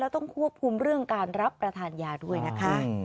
ต้องควบคุมเรื่องการรับประทานยาด้วยนะคะ